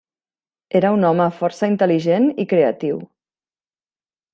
Era un home força intel·ligent i creatiu.